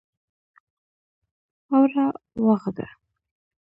اوړه واغږه!